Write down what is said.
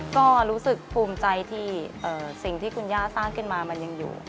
ก็รู้สึกภูมิใจที่สิ่งที่คุณย่าสร้างขึ้นมามันยังอยู่